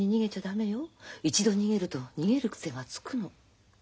一度逃げると逃げる癖がつくの。